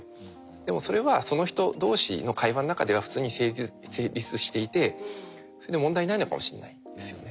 でもそれはその人同士の会話の中では普通に成立していてそれで問題ないのかもしれないですよね。